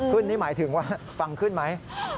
ขึ้นนี่หมายถึงว่าฟังขึ้นไหม